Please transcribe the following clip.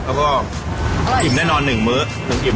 แล้วก็อิ่มแน่นอน๑เมื้อ